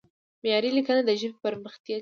معیاري لیکنه د ژبې پرمختګ ښيي.